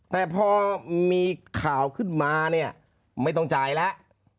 แต่พอมีข่าวขึ้นมาเนี่ยไม่ต้องจ่ายแล้ว